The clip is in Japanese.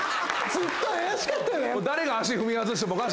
ずっと怪しかった。